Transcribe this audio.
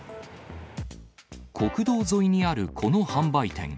国道沿いにあるこの販売店。